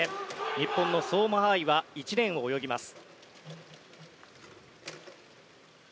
日本の相馬あいは１レーンを泳ぎます。